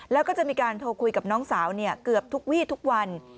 แล้วก็จะมีการโทรคุยกับน้องสาวเกือบทุกวี่ทุกวัน